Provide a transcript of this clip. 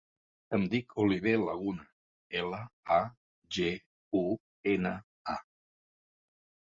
Em dic Oliver Laguna: ela, a, ge, u, ena, a.